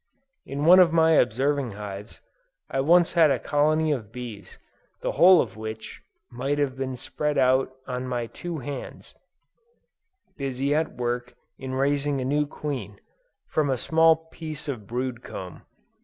In one of my observing hives, I once had a colony of bees, the whole of which might have been spread out on my two hands, busy at work in raising a new queen, from a small piece of brood comb.